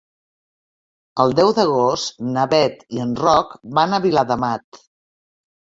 El deu d'agost na Bet i en Roc van a Viladamat.